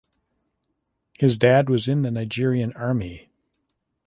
His dad was in the Nigerian Army.